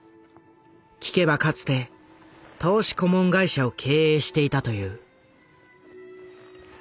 聞けばかつて投資顧問会社を経営していたという。